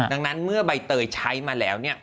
ดังนั้นเมื่อใบเตยใช้มาแล้ว